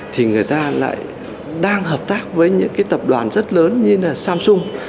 thì người ta lại đang hợp tác với những cái tập đoàn rất lớn như là samsung